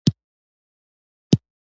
ما ورته وویل: فی الحال زه ورته اړتیا نه لرم.